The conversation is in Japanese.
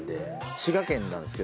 滋賀県なんですけど。